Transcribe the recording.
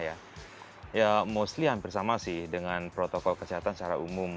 ya mostly hampir sama sih dengan protokol kesehatan secara umum